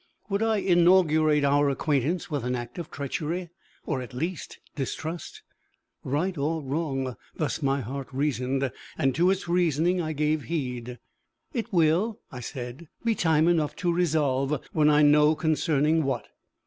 Would I inaugurate our acquaintance with an act of treachery, or at least distrust? Right or wrong, thus my heart reasoned, and to its reasoning I gave heed. "It will," I said, "be time enough to resolve, when I know concerning what!"